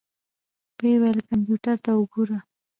ويې ويل کمپيوټر ته وګوره.